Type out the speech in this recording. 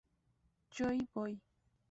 Joey Boy